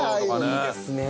いいですね。